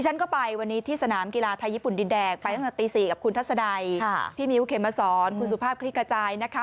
ฉันก็ไปวันนี้ที่สนามกีฬาไทยญี่ปุ่นดินแดงไปตั้งแต่ตี๔กับคุณทัศนัยพี่มิ้วเขมสอนคุณสุภาพคลิกกระจายนะคะ